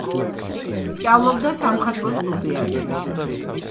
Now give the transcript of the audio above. სწავლობდა სამხატვრო სტუდიაში.